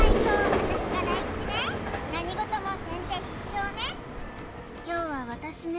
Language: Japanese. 私が大吉ね何事も先手必勝ね凶は私ね